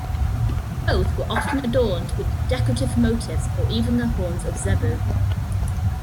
Both were often adorned with decorative motifs or even the horns of zebu.